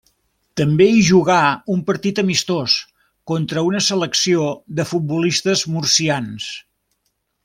També hi jugà un partit amistós contra una selecció de futbolistes murcians.